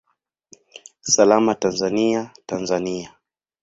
Salama Tanzania, Tanzania!